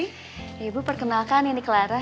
ibu perkenalkan ini clara